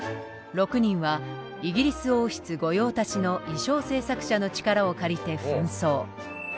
６人はイギリス王室御用達の衣装制作者の力を借りてふん装。